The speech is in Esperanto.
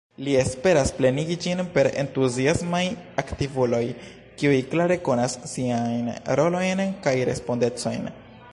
Li esperas plenigi ĝin per entuziasmaj aktivuloj, kiuj klare konas siajn rolojn kaj respondecojn.